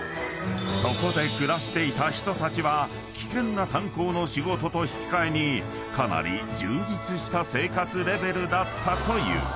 ［そこで暮らしていた人たちは危険な炭鉱の仕事と引き換えにかなり充実した生活レベルだったという］